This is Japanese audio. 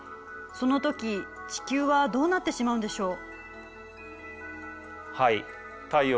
そのとき地球はどうなってしまうんでしょう？